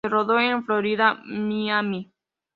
Se rodó en Florida, Miami.